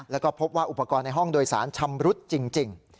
แล้วก็พบว่าอุปกรณ์ในห้องโดยสารชำรุดจริง